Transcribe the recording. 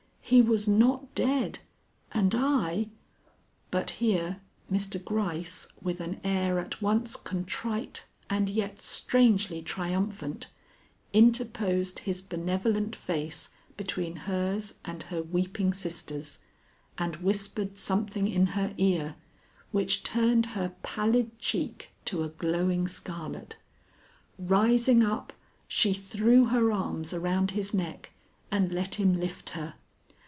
He was not dead, and I " But here Mr. Gryce, with an air at once contrite and yet strangely triumphant, interposed his benevolent face between hers and her weeping sister's and whispered something in her ear which turned her pallid cheek to a glowing scarlet. Rising up, she threw her arms around his neck and let him lift her.